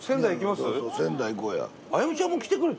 仙台行こうや。